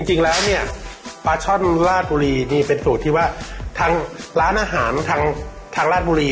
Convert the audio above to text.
จริงแล้วเนี่ยปลาช่อนราชบุรีนี่เป็นสูตรที่ว่าทางร้านอาหารทางราชบุรี